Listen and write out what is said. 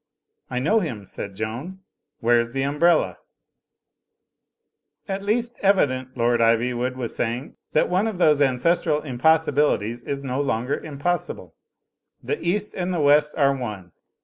"I know him," said Joan. "Where's the umbrella ?'*"... at least evident" Lord Ivywood was say ing, "that one of those ancestral impossibilities is no longer impossible. The East and the West are one.